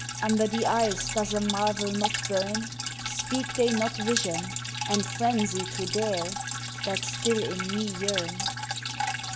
Under the eyes does a marvel not burn? Speak they not vision and frenzy to dare, That still in me yearn?...